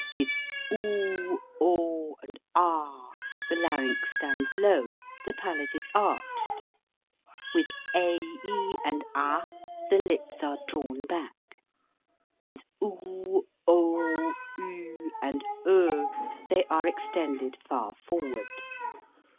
With oo, o, and ah the larynx stands low, the palate is arched. With a, e, and ah the lips are drawn back. With oo, o, Uj and o they are extended far forward.